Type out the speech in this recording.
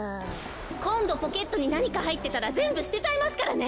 こんどポケットになにかはいってたらぜんぶすてちゃいますからね！